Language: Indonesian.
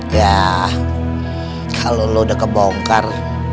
ya kalau lo udah kebongkar